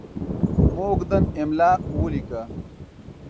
موږ نن املا ولیکه.